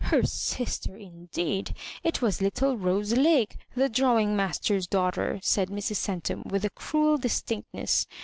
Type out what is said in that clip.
Her sister indeed I It was little Rose Lake, the drawing master's daughter," said Mrs. Centura, with cruel distinctness.